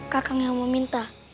kakang yang meminta